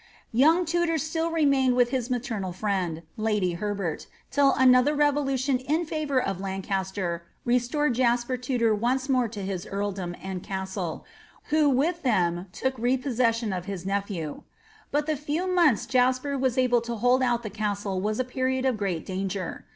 Young Tudor still remained with his maternal friend, lady Herbert, till another revolution ia tkvour of Lancaster restored Jasper Tudor once more to his earldom and castle, who with them took re possession of his nephew. But the itvr months Jasper was able to hold out the castle was a period of great danger.